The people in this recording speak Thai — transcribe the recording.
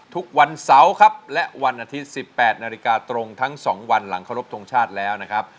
ทุกวันเสาร์ครับและวันอาทิตย์๑๘นาฬิกาตรงทั้ง๒วันหลังเคารพทงชาติแล้วนะครับ